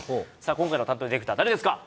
今回の担当ディレクター誰ですか？